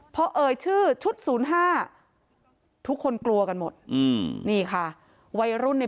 เพราะเอ่ยชื่อชุด๐๕ทุกคนกลัวกันหมดนี่ค่ะวัยรุ่นใน